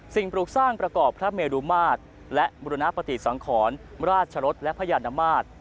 ปลูกสร้างประกอบพระเมรุมาตรและบุรณปฏิสังขรราชรสและพญานมาตร